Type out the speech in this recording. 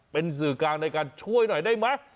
เป็นสื่อกลางในการช่วยหน่อยได้ไหม